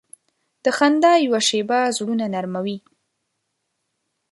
د خندا یوه شیبه زړونه نرمه وي.